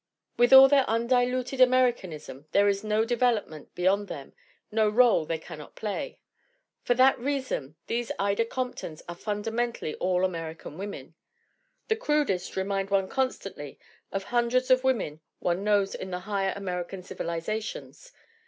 With all their undiluted Americanism there is no development beyond them, no role they cannot play. For that reason these Ida Comptons are fundamentally all American women. The crudest remind one constantly of hundreds of women one knows in the higher American civilizations.